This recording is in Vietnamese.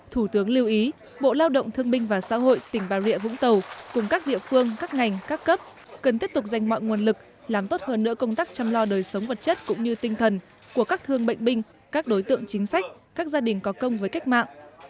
thủ tướng lưu ý bộ lao động thương binh và xã hội tỉnh bà rịa vũng tàu cùng các địa phương các ngành các cấp cần tiếp tục dành mọi nguồn lực làm tốt hơn nữa công tác chăm lo đời sống vật chất cũng như tinh thần của các thương bệnh binh các đối tượng chính sách các gia đình có công với cách mạng